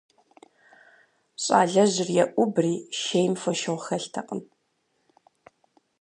Щӏалэжьыр еӏубри, - шейм фошыгъу хэлътэкъым.